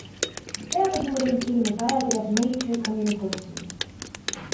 Teadusuuring ilmus ajakirjas Nature Communications.